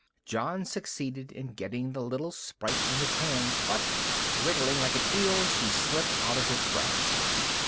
John succeeded in getting the little sprite in his hands but, wriggling like an eel, she slipped out of his grasp.